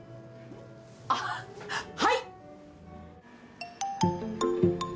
ああはい！